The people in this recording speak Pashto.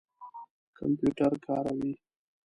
کمپیوټر کاروئ؟